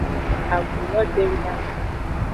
Agu lo den ba.